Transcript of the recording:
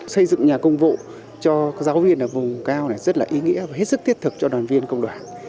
xây dựng nhà công vụ cho giáo viên ở vùng cao này rất là ý nghĩa và hết sức thiết thực cho đoàn viên công đoàn